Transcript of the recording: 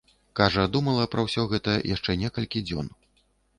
Кажа, думала пра ўсё гэта яшчэ некалькі дзён.